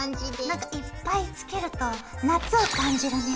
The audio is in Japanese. なんかいっぱいつけると夏を感じるね。